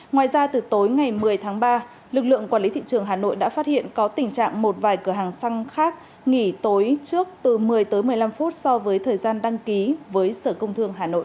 ngoài ra từ tối ngày một mươi tháng ba lực lượng quản lý thị trường hà nội đã phát hiện có tình trạng một vài cửa hàng xăng khác nghỉ tối trước từ một mươi tới một mươi năm phút so với thời gian đăng ký với sở công thương hà nội